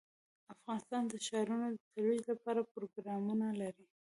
افغانستان د ښارونو د ترویج لپاره پروګرامونه لري.